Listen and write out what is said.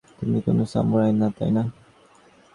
তুমি কোনো সামুরাই না, তাই না?